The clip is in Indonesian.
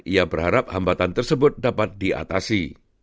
ia berharap hambatan tersebut dapat diatasi